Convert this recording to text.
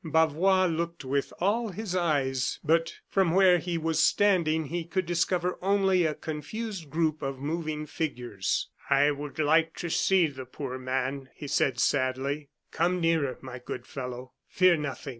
Bavois looked with all his eyes, but from where he was standing he could discover only a confused group of moving figures. "I would like to see the poor man," he said, sadly. "Come nearer, my good fellow; fear nothing!"